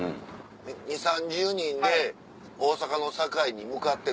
２０３０人で大阪の堺に向かってた。